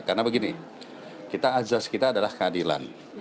karena begini kita azas kita adalah keadilan